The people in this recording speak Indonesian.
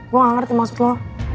gue gak ngerti maksud lo